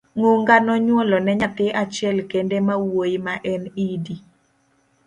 Ngunga nonyuolo ne nyathi achiel kende mawuoyi ma en Idi